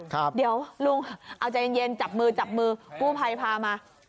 เดี๋ยวลุงเอาใจเย็นจับมือจับมือกู้ภัยพามา